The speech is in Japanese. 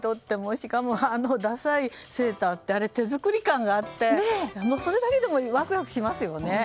しかも、あのダサいセーターって手作り感があってそれだけでもワクワクしますよね。